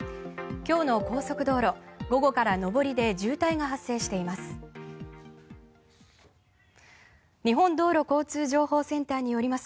今日の高速道路、午後から上りで渋滞が発生しています。